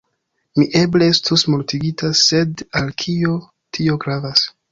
Mi eble estus mortigita, sed al kio tio gravas.